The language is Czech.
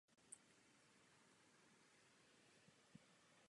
Průčelí dominuje portál o dvou úrovních.